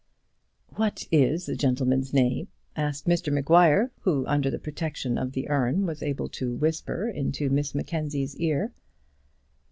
"What is the gentleman's name?" asked Mr Maguire, who, under the protection of the urn, was able to whisper into Miss Mackenzie's ear.